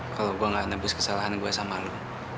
kalau gue gak nebus kesalahan gue sama lo